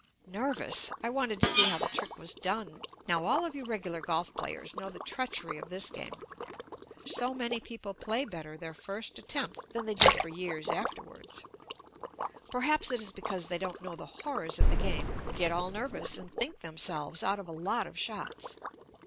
Nerv ous! I wanted to see how the trick was done. Now all of you regular golf players know the JUST ME treachery of this game. So many people play better their first attempt than they do for years afterwards. Perhaps it is because they don't know the horrors of the game, get all nervous and think themselves out of a lot of shots.